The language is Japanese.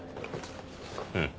うん。